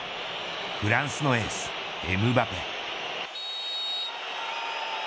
フランスのエース、エムバペ。